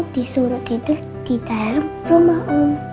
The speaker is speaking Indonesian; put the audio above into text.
disuruh tidur di dalam rumah